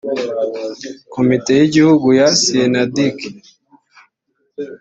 komite y igihugu ya syneduc